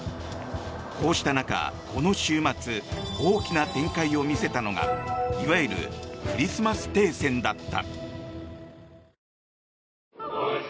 こうした中、この週末大きな展開を見せたのがいわゆるクリスマス停戦だった。